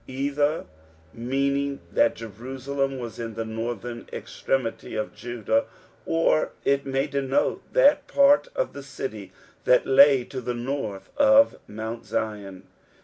Either meaniriK that Jerusalem was in the northern extremity of Judab, or it may denote that part of the city that lay to the north of Mount Zion.